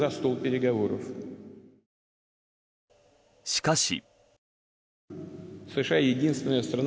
しかし。